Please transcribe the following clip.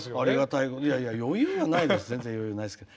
いやいや余裕はないですけどね。